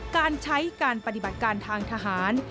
การใช้การปฏิบัติการทางทหาร